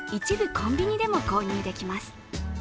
コンビニでも購入できます。